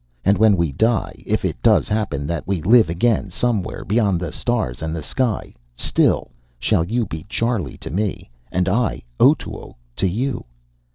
And when we die, if it does happen that we live again somewhere beyond the stars and the sky, still shall you be Charley to me, and I Otoo to you."